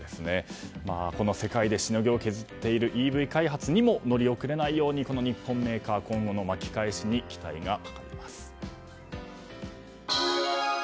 世界でしのぎを削っているＥＶ開発にも乗り遅れないようにこの日本メーカー今後の巻き返しに期待がかかります。